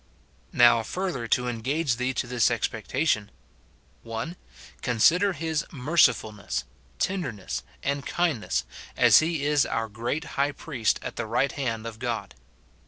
Now, further to engage thee to this expectation, — (1.) Consider his mercifulness, tenderness, and kind ness, as he is our great High Priest at the right hand of God.